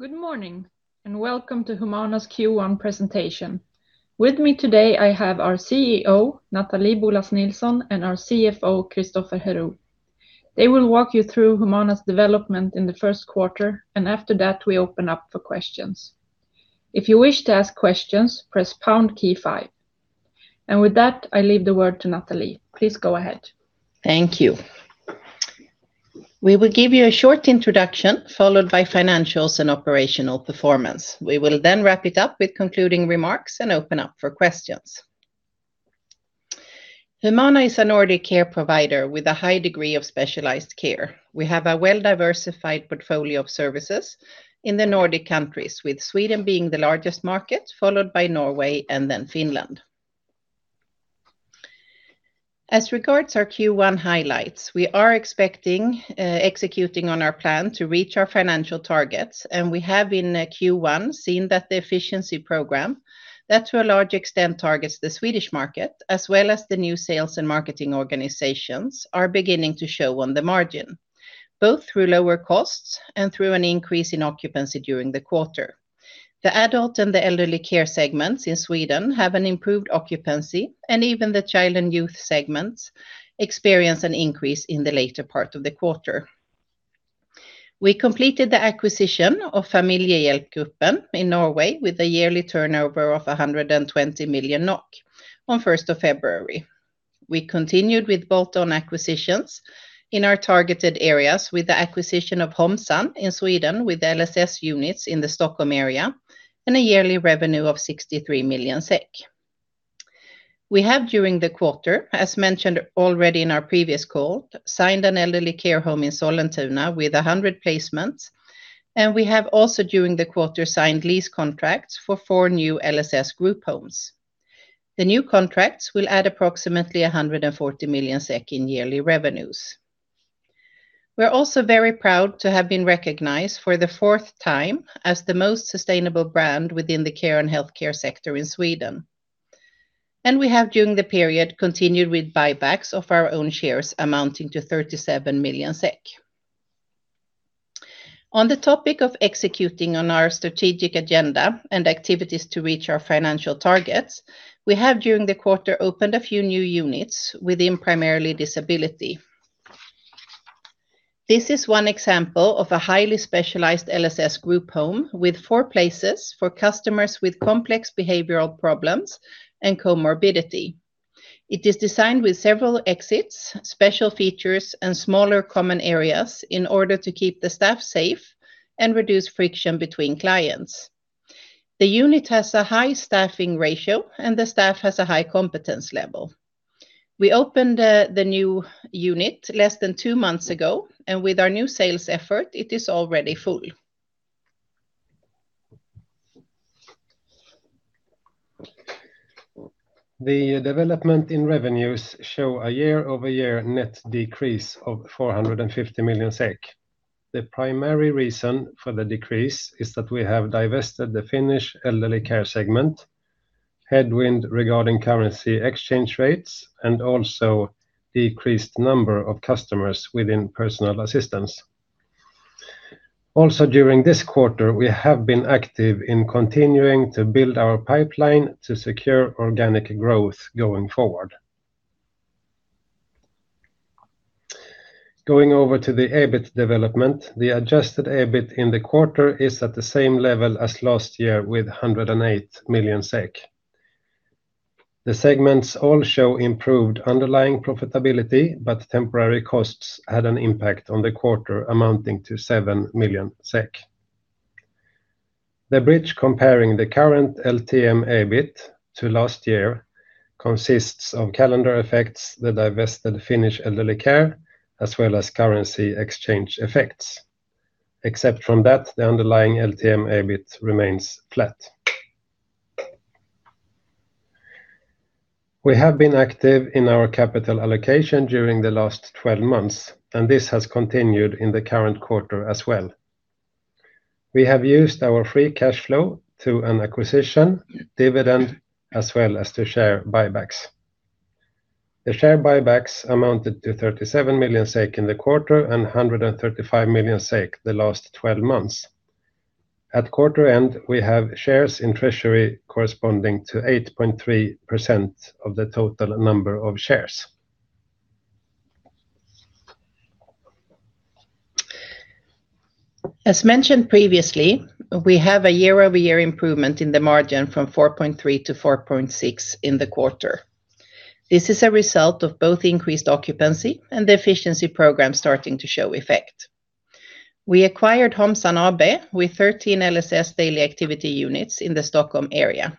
Good morning, and welcome to Humana's Q1 presentation. With me today I have our CEO, Nathalie Boulas Nilsson, and our CFO, Christoffer Herou. They will walk you through Humana's development in the first quarter, and after that, we open up for questions. If you wish to ask questions, press pound key five. With that, I leave the word to Nathalie. Please go ahead. Thank you. We will give you a short introduction, followed by financials and operational performance. We will then wrap it up with concluding remarks and open up for questions. Humana is a Nordic care provider with a high degree of specialized care. We have a well-diversified portfolio of services in the Nordic countries, with Sweden being the largest market, followed by Norway, and then Finland. As regards our Q1 highlights, we are executing on our plan to reach our financial targets, and we have in Q1 seen that the efficiency program that to a large extent targets the Swedish market, as well as the new sales and marketing organizations, are beginning to show on the margin, both through lower costs and through an increase in occupancy during the quarter. The Adult and the Elderly Care segments in Sweden have an improved occupancy, and even the Child and Youth segments experience an increase in the later part of the quarter. We completed the acquisition of Familiehjelpgruppen in Norway with a yearly turnover of 120 million NOK on 1st of February. We continued with bolt-on acquisitions in our targeted areas with the acquisition of Homsan in Sweden with LSS units in the Stockholm area and a yearly revenue of 63 million SEK. We have during the quarter, as mentioned already in our previous call, signed an elderly care home in Sollentuna with 100 placements, and we have also during the quarter signed lease contracts for four new LSS group homes. The new contracts will add approximately 140 million SEK in yearly revenues. We're also very proud to have been recognized for the fourth time as the most sustainable brand within the care and healthcare sector in Sweden. We have during the period continued with buybacks of our own shares amounting to 37 million SEK. On the topic of executing on our strategic agenda and activities to reach our financial targets, we have during the quarter opened a few new units within primarily disability. This is one example of a highly specialized LSS group home with four places for customers with complex behavioral problems and comorbidity. It is designed with several exits, special features, and smaller common areas in order to keep the staff safe and reduce friction between clients. The unit has a high staffing ratio, and the staff has a high competence level. We opened the new unit less than two months ago, and with our new sales effort, it is already full. The development in revenues shows a year-over-year net decrease of 450 million SEK. The primary reason for the decrease is that we have divested the Finnish Elderly Care segment, headwind regarding currency exchange rates, and also decreased number of customers within personal assistance. Also, during this quarter, we have been active in continuing to build our pipeline to secure organic growth going forward. Going over to the EBIT development, the adjusted EBIT in the quarter is at the same level as last year with 108 million SEK. The segments all show improved underlying profitability, but temporary costs had an impact on the quarter amounting to 7 million SEK. The bridge comparing the current LTM EBIT to last year consists of calendar effects, the divested Finnish Elderly Care, as well as currency exchange effects. Except from that, the underlying LTM EBIT remains flat. We have been active in our capital allocation during the last 12 months, and this has continued in the current quarter as well. We have used our free cash flow to an acquisition, dividend, as well as to share buybacks. The share buybacks amounted to 37 million in the quarter and 135 million the last 12 months. At quarter end, we have shares in treasury corresponding to 8.3% of the total number of shares. As mentioned previously, we have a year-over-year improvement in the margin from 4.3%-4.6% in the quarter. This is a result of both increased occupancy and the efficiency program starting to show effect. We acquired Homsan AB with 13 LSS daily activity units in the Stockholm area.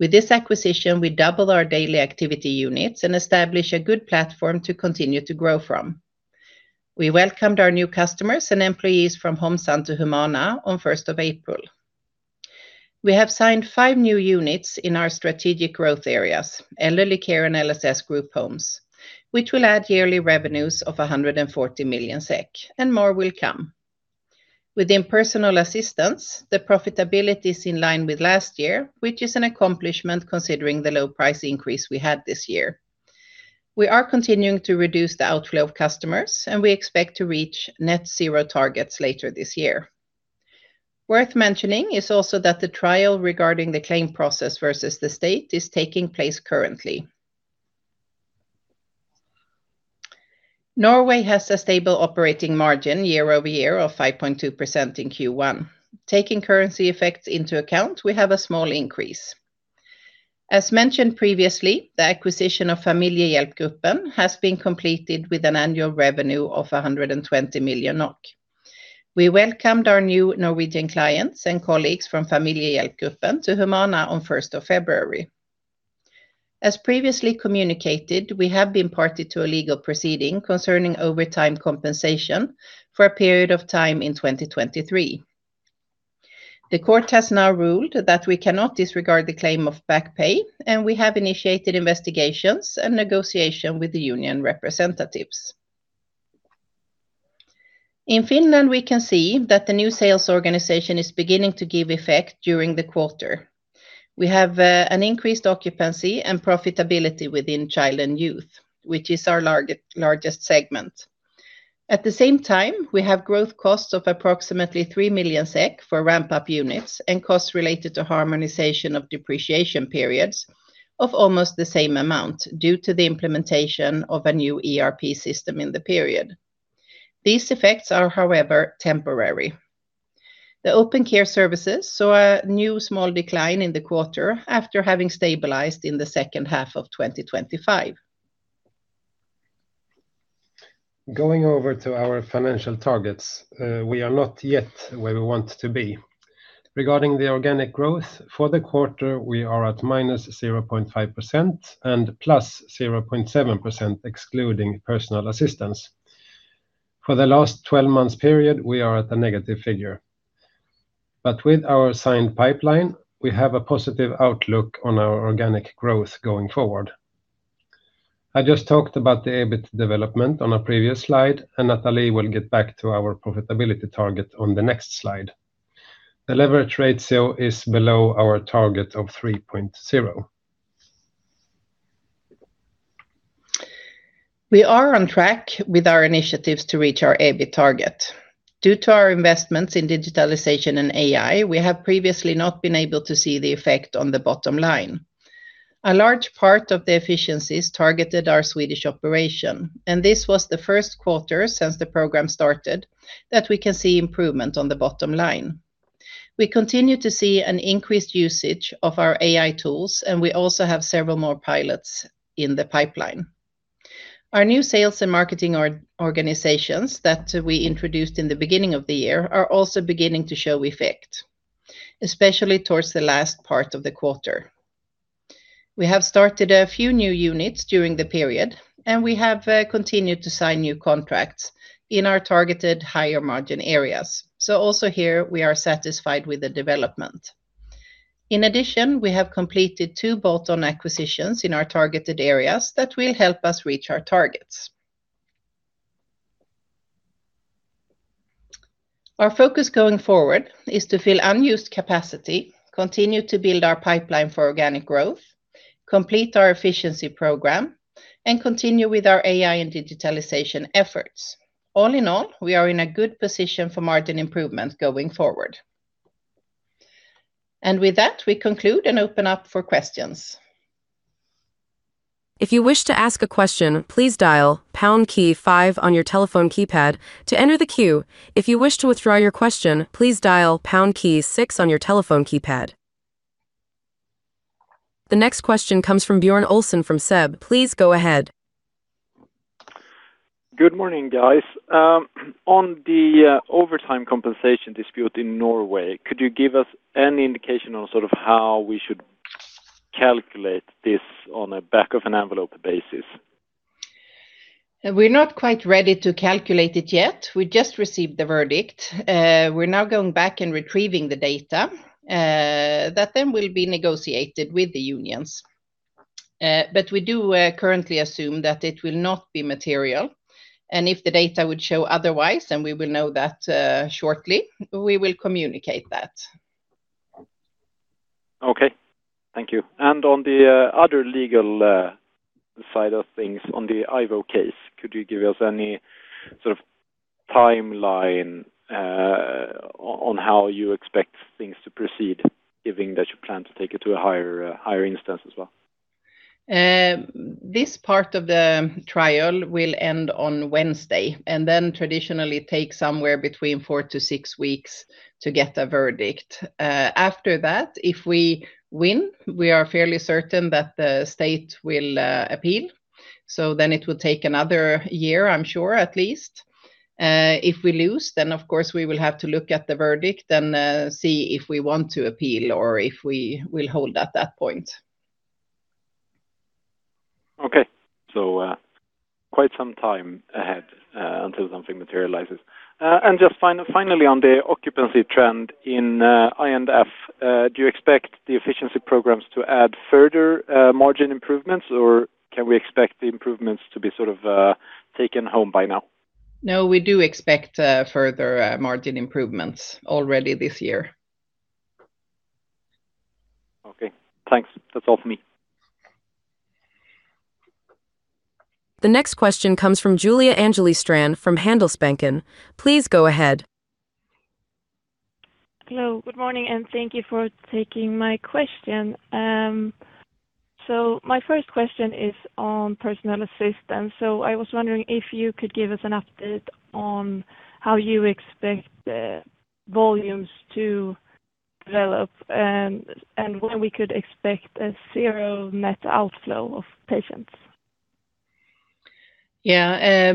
With this acquisition, we double our daily activity units and establish a good platform to continue to grow from. We welcomed our new customers and employees from Homsan to Humana on 1st of April. We have signed five new units in our strategic growth areas, elderly care and LSS group homes, which will add yearly revenues of 140 million SEK, and more will come. Within personal assistance, the profitability is in line with last year, which is an accomplishment considering the low price increase we had this year. We are continuing to reduce the outflow of customers, and we expect to reach net zero targets later this year. Worth mentioning is also that the trial regarding the claim process versus the state is taking place currently. Norway has a stable operating margin year-over-year of 5.2% in Q1. Taking currency effects into account, we have a small increase. As mentioned previously, the acquisition of Familiehjelpgruppen has been completed with an annual revenue of 120 million NOK. We welcomed our new Norwegian clients and colleagues from Familiehjelpgruppen to Humana on the 1st of February. As previously communicated, we have been party to a legal proceeding concerning overtime compensation for a period of time in 2023. The court has now ruled that we cannot disregard the claim of back pay, and we have initiated investigations and negotiation with the union representatives. In Finland, we can see that the new sales organization is beginning to give effect during the quarter. We have an increased occupancy and profitability within Child and Youth, which is our largest segment. At the same time, we have growth costs of approximately 3 million SEK for ramp-up units and costs related to harmonization of depreciation periods of almost the same amount due to the implementation of a new ERP system in the period. These effects are, however, temporary. The open care services saw a new small decline in the quarter after having stabilized in the second half of 2025. Going over to our financial targets. We are not yet where we want to be. Regarding the organic growth for the quarter, we are at -0.5% and +0.7%, excluding personal assistance. For the last 12 months period, we are at a negative figure. With our signed pipeline, we have a positive outlook on our organic growth going forward. I just talked about the EBIT development on a previous slide, and Nathalie will get back to our profitability target on the next slide. The leverage ratio is below our target of 3.0x. We are on track with our initiatives to reach our EBIT target. Due to our investments in digitalization and AI, we have previously not been able to see the effect on the bottom line. A large part of the efficiencies targeted our Swedish operation, and this was the first quarter since the program started that we can see improvement on the bottom line. We continue to see an increased usage of our AI tools, and we also have several more pilots in the pipeline. Our new sales and marketing organizations that we introduced at the beginning of the year are also beginning to show effect, especially towards the last part of the quarter. We have started a few new units during the period, and we have continued to sign new contracts in our targeted higher-margin areas. Also here, we are satisfied with the development. In addition, we have completed two bolt-on acquisitions in our targeted areas that will help us reach our targets. Our focus going forward is to fill unused capacity, continue to build our pipeline for organic growth, complete our efficiency program, and continue with our AI and digitalization efforts. All in all, we are in a good position for margin improvement going forward. With that, we conclude and open up for questions. The next question comes from Björn Olsson from SEB. Please go ahead. Good morning, guys. On the overtime compensation dispute in Norway, could you give us any indication on how we should calculate this on a back-of-an-envelope basis? We're not quite ready to calculate it yet. We just received the verdict. We're now going back and retrieving the data that then will be negotiated with the unions. We do currently assume that it will not be material, and if the data would show otherwise, then we will know that shortly, we will communicate that. Okay, thank you. On the other legal side of things, on the IVO case, could you give us any sort of timeline on how you expect things to proceed, given that you plan to take it to a higher instance as well? This part of the trial will end on Wednesday and then traditionally take somewhere between four to six weeks to get a verdict. After that, if we win, we are fairly certain that the state will appeal. It will take another year, I'm sure, at least. If we lose, then, of course, we will have to look at the verdict, then see if we want to appeal or if we will hold at that point. Okay. Quite some time ahead until something materializes. Just finally, on the occupancy trend in I&F, do you expect the efficiency programs to add further margin improvements, or can we expect the improvements to be sort of taken home by now? No, we do expect further margin improvements already this year. Okay, thanks. That's all from me. The next question comes from Julia Angeli Strand from Handelsbanken. Please go ahead. Hello, good morning, and thank you for taking my question. My first question is on personal assistance. I was wondering if you could give us an update on how you expect the volumes to develop and when we could expect a zero net outflow of patients. Yeah.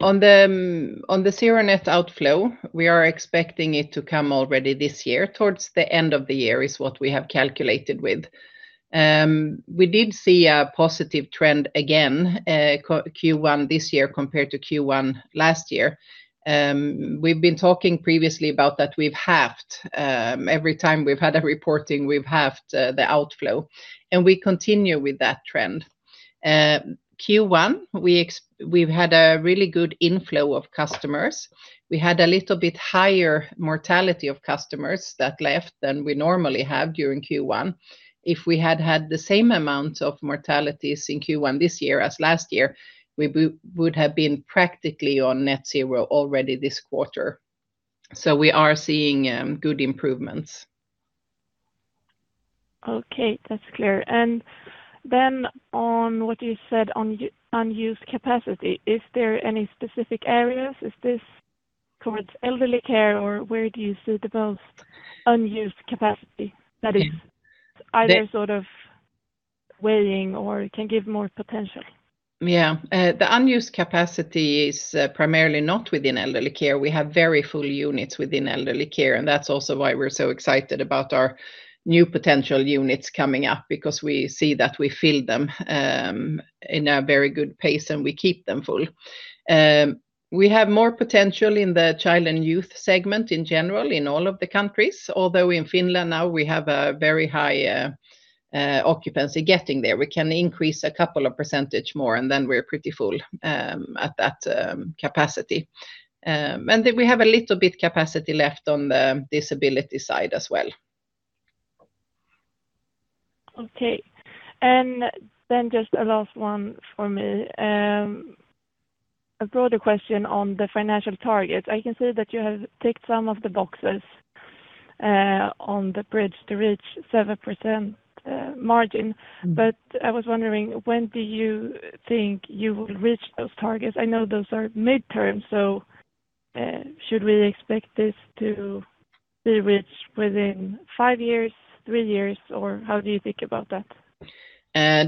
On the zero net outflow, we are expecting it to come already this year, towards the end of the year is what we have calculated with. We did see a positive trend again, Q1 this year compared to Q1 last year. We've been talking previously about that we've halved, every time we've had a reporting, we've halved the outflow, and we continue with that trend. Q1, we've had a really good inflow of customers. We had a little bit higher mortality of customers that left than we normally have during Q1. If we had had the same amount of mortalities in Q1 this year as last year, we would have been practically on net zero already this quarter. We are seeing good improvements. Okay, that's clear. On what you said on unused capacity, is there any specific areas? Is this towards elderly care or where do you see the most unused capacity that is either sort of waiting or can give more potential? Yeah. The unused capacity is primarily not within elderly care. We have very full units within elderly care, and that's also why we're so excited about our new potential units coming up because we see that we fill them in a very good pace, and we keep them full. We have more potential in the Child and Youth segment in general in all of the countries, although in Finland now we have a very high occupancy getting there. We can increase a couple of percentage more, and then we're pretty full at that capacity. Then we have a little bit capacity left on the disability side as well. Okay. Just a last one for me, a broader question on the financial targets. I can see that you have ticked some of the boxes on the bridge to reach 7% margin. Mm-hmm. I was wondering, when do you think you will reach those targets? I know those are midterm, so should we expect this to be reached within five years, three years, or how do you think about that?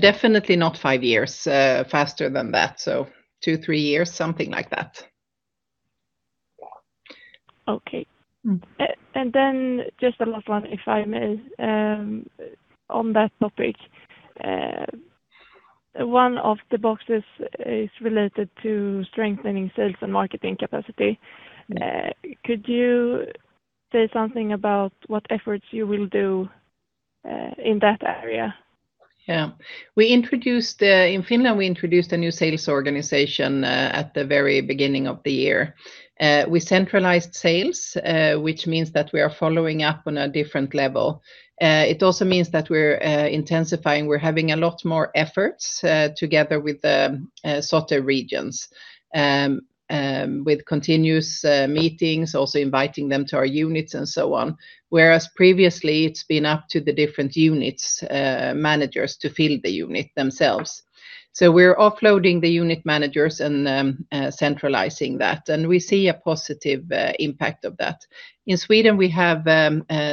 Definitely not five years, faster than that, so two, three years, something like that. Okay. Mm-hmm. Just a last one, if I may, on that topic. One of the boxes is related to strengthening sales and marketing capacity. Mm-hmm. Could you say something about what efforts you will do in that area? Yeah. In Finland, we introduced a new sales organization at the very beginning of the year. We centralized sales, which means that we are following up on a different level. It also means that we're intensifying. We're having a lot more efforts, together with SOTE regions, with continuous meetings, also inviting them to our units and so on, whereas previously, it's been up to the different units' managers to fill the unit themselves. We're offloading the unit managers and centralizing that, and we see a positive impact of that. In Sweden, we have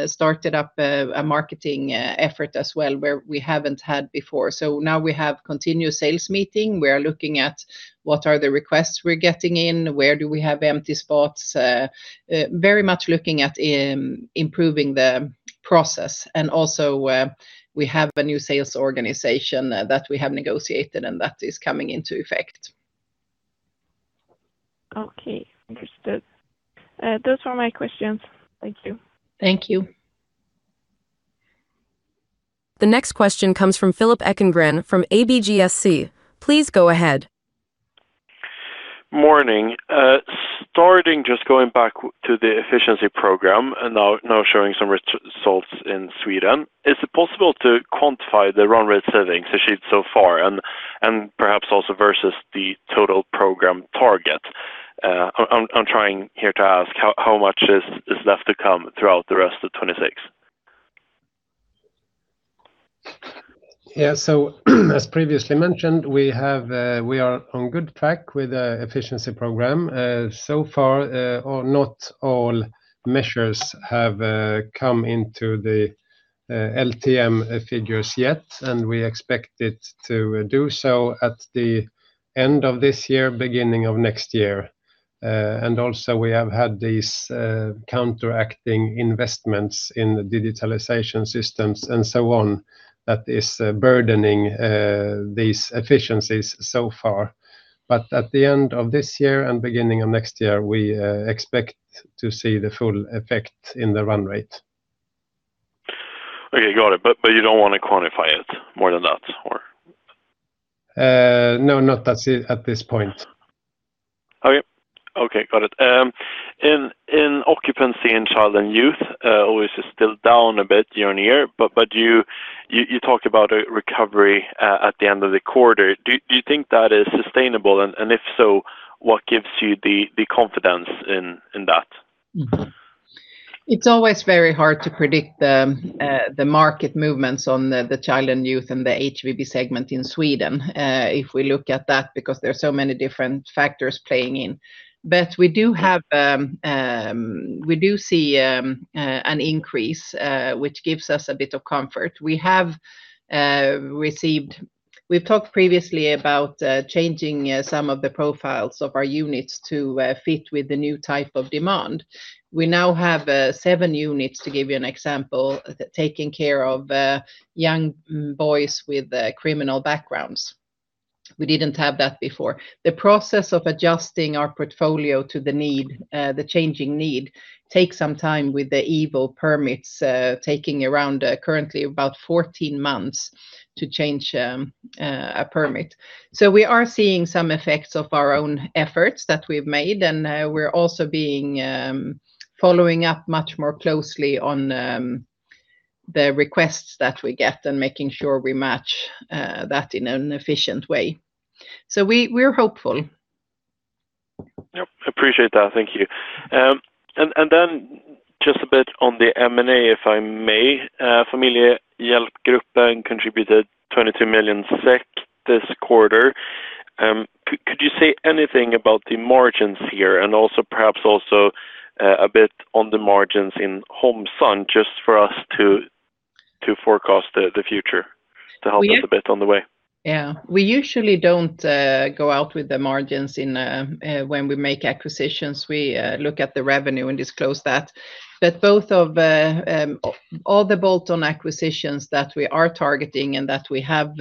started up a marketing effort as well, where we haven't had before. Now we have continuous sales meeting. We are looking at what are the requests we're getting in, where do we have empty spots, very much looking at improving the process. We have a new sales organization that we have negotiated and that is coming into effect. Okay, understood. Those were my questions. Thank you. Thank you. The next question comes from Philip Ekengren from ABG SC. Please go ahead. Morning. Starting, just going back to the efficiency program, now showing some results in Sweden. Is it possible to quantify the run rate savings achieved so far, and perhaps also versus the total program target? I'm trying here to ask how much is left to come throughout the rest of 2026? Yeah. As previously mentioned, we are on good track with the efficiency program. So far, not all measures have come into the LTM figures yet, and we expect it to do so at the end of this year, beginning of next year. Also we have had these counteracting investments in the digitalization systems and so on that is burdening these efficiencies so far. At the end of this year and beginning of next year, we expect to see the full effect in the run rate. Okay, got it. You don't want to quantify it more than that? No, not at this point. Okay, got it. In occupancy in Child and Youth, overall it's still down a bit year-on-year, but you talked about a recovery at the end of the quarter. Do you think that is sustainable? If so, what gives you the confidence in that? It's always very hard to predict the market movements on the Child and Youth and the HVB segment in Sweden, if we look at that, because there are so many different factors playing in. We do see an increase, which gives us a bit of comfort. We've talked previously about changing some of the profiles of our units to fit with the new type of demand. We now have seven units, to give you an example, taking care of young boys with criminal backgrounds. We didn't have that before. The process of adjusting our portfolio to the changing need takes some time with the IVO permits taking around currently about 14 months to change a permit. We are seeing some effects of our own efforts that we've made, and we're also following up much more closely on the requests that we get and making sure we match that in an efficient way. We're hopeful. Yep, appreciate that. Thank you. Just a bit on the M&A, if I may. Familiehjelpgruppen contributed SEK 22 million this quarter. Could you say anything about the margins here and also perhaps also a bit on the margins in Homsan just for us to forecast the future to help us a bit on the way? Yeah. We usually don't go out with the margins when we make acquisitions. We look at the revenue and disclose that. All the bolt-on acquisitions that we are targeting and that we have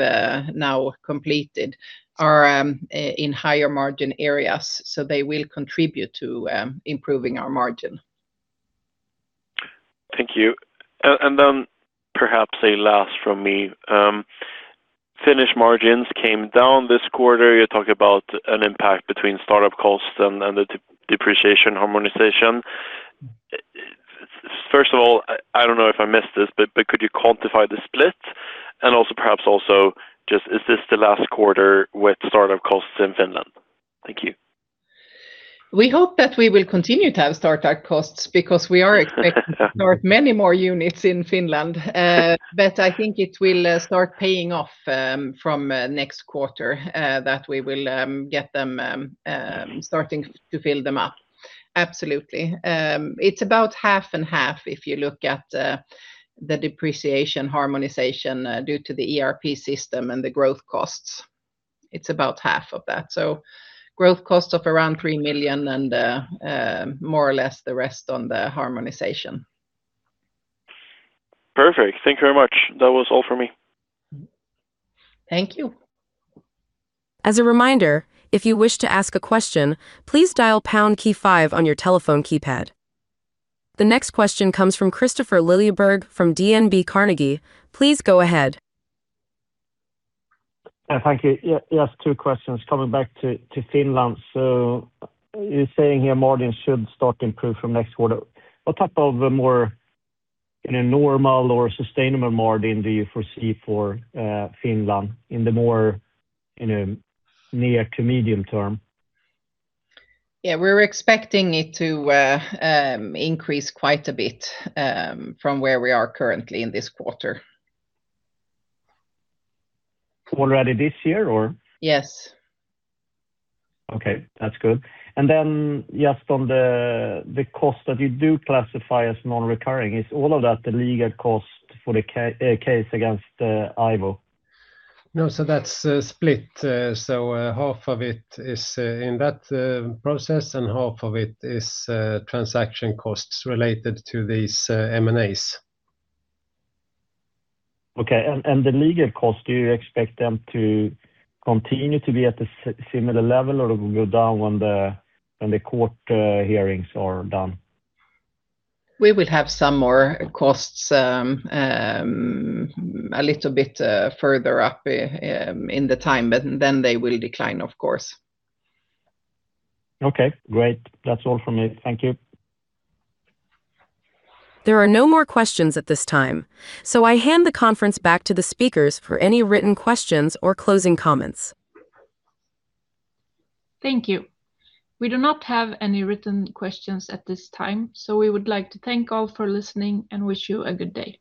now completed are in higher margin areas, so they will contribute to improving our margin. Thank you. Perhaps a last from me. Finnish margins came down this quarter. You talk about an impact between startup costs and the depreciation harmonization. First of all, I don't know if I missed this, but could you quantify the split? Also perhaps also just is this the last quarter with startup costs in Finland? Thank you. We hope that we will continue to have startup costs because we are expecting many more units in Finland. I think it will start paying off from next quarter that we will get them starting to fill them up. Absolutely. It's about half and half if you look at the depreciation harmonization due to the ERP system and the growth costs. It's about half of that. Growth cost of around 3 million and more or less the rest on the harmonization. Perfect. Thank you very much. That was all for me. Thank you. As a reminder, if you wish to ask a question, please dial pound key five on your telephone keypad. The next question comes from Kristofer Liljeberg from DNB Carnegie. Please go ahead. Thank you. Just two questions coming back to Finland. You're saying here margins should start to improve from next quarter. What type of a more normal or sustainable margin do you foresee for Finland in the more near to medium term? Yeah, we're expecting it to increase quite a bit from where we are currently in this quarter. Already this year, or? Yes. Okay, that's good. Just on the cost that you do classify as non-recurring, is all of that the legal cost for the case against IVO? No, that's split. Half of it is in that process, and half of it is transaction costs related to these M&As. Okay. The legal cost, do you expect them to continue to be at the similar level, or it will go down when the court hearings are done? We will have some more costs a little bit further up in the time, but then they will decline, of course. Okay, great. That's all from me. Thank you. There are no more questions at this time, so I hand the conference back to the speakers for any written questions or closing comments. Thank you. We do not have any written questions at this time, so we would like to thank all for listening and wish you a good day.